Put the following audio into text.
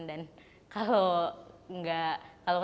dan kalau ketahuan ngomong bahasa inggris kita bisa ngomong bahasa inggris